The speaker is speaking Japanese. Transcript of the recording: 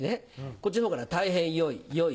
こっちの方から「たいへんよい」「よい」